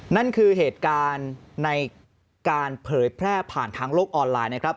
นั่นคือเหตุการณ์ในการเผยแพร่ผ่านทางโลกออนไลน์นะครับ